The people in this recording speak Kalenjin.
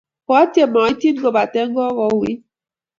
Koatyem aityin kobate kokouit.